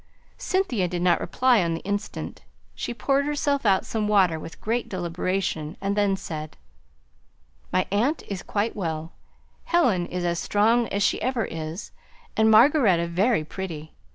Cynthia did not reply on the instant; she poured herself out some water with great deliberation, and then said, "My aunt is quite well; Helen is as strong as she ever is, and Margaretta very pretty.